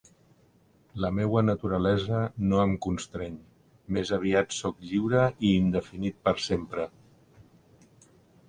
La meua naturalesa no em constreny, més aviat soc lliure i indefinit per sempre.